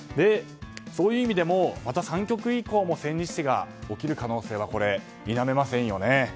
そういう意味でもまた３局以降も千日手が起きる可能性は否めませんよね。